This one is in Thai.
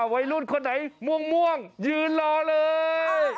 วัยรุ่นคนไหนม่วงยืนรอเลย